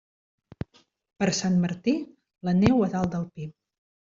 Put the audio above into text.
Per Sant Martí, la neu a dalt del pi.